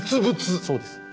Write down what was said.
そうです。